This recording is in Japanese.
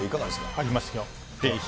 ありますよ。